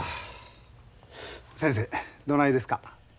先生どないですか？